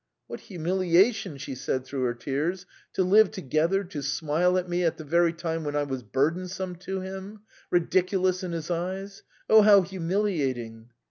"What humiliation!" she said through her tears. "To live together, to smile at me at the very time when I was burdensome to him, ridiculous in his eyes! Oh, how humiliating!"